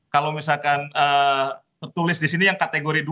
kalau misalkan tertulis di sini yang kategori dua